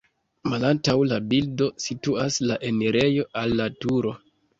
Malantaŭ la bildo situas la enirejo al la turo.